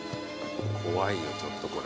怖いよちょっとこれ。